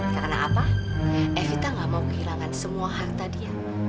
karena apa evita nggak mau kehilangan semua harta dia